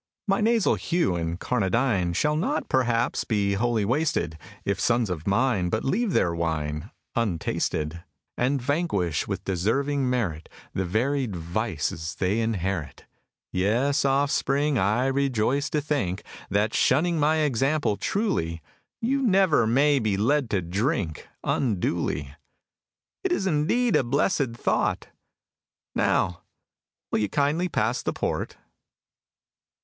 My nasal hue, incarnadine, Shall not, perhaps, be wholly wasted, If sons of mine but leave their wine Untasted; And vanquish, with deserving merit, The varied vices they inherit. Yes, Offspring, I rejoice to think That, shunning my example truly, You never may be led to drink Unduly. It is indeed a blessèd thought! Now, will you kindly pass the port?